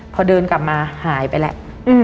พอเดินกลับมาหายไปแล้ว